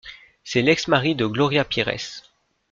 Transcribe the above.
C'est l'ex-mari de Gloria Pires.